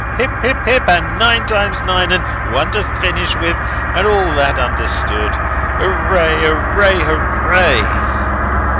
"Hip, hip, hip, and nine times nine, and one to finish with, and all that, understood. Hooray, hooray, hooray!